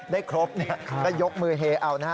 ได้ครบเนี่ยก็ยกมือเฮเอานะฮะ